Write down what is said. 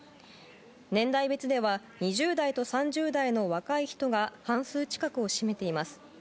年代別では２０代と３０代の若い人が半数近くを占めています。